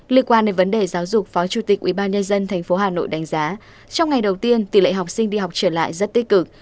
liên quan đến vấn đề giáo dục phó chủ tịch ubnd tp hà nội đánh giá trong ngày đầu tiên tỷ lệ học sinh đi học trở lại rất tích cực